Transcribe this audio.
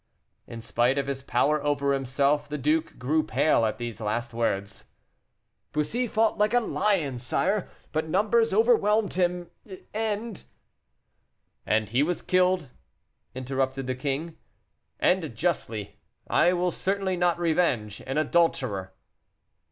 In spite of his power over himself, the duke grew pale at these last words. "Bussy fought like a lion, sire, but numbers overwhelmed him, and " "And he was killed," interrupted the king, "and justly; I will certainly not revenge an adulterer."